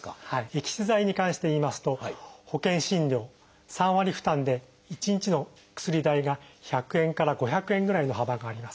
エキス剤に関していいますと保険診療３割負担で１日の薬代が１００円から５００円ぐらいの幅があります。